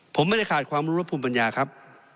ผมไม่ได้ขาดความรู้และภูมิปัญญาครับ